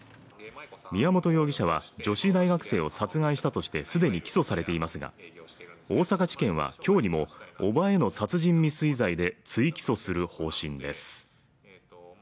宮本容疑者は、女子大学生を殺害したとして既に起訴されていますが、大阪地検は今日にも叔母への殺人未遂罪で追起訴する方針です。